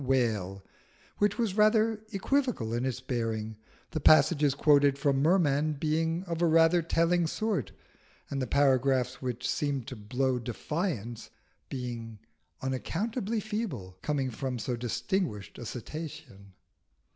Whale which was rather equivocal in its bearing, the passages quoted from Merman being of rather a telling sort, and the paragraphs which seemed to blow defiance being unaccountably feeble, coming from so distinguished a Cetacean.